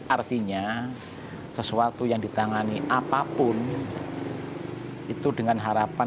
artinya sesuatu yang ditangani apapun itu dengan harapan